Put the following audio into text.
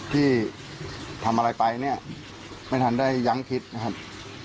ที่ทำอะไรไปเนี่ยไม่ทันได้ยั้งคิดนะครับ